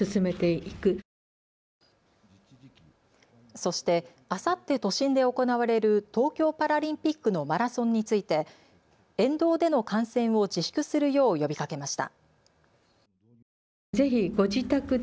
そして、あさって都心で行われる東京パラリンピックのマラソンについて沿道での観戦を自粛するよう呼びかけました。